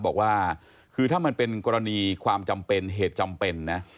บอกว่าคือถ้ามันเป็นกรณีความจำเป็นเหตุจำเป็นนะ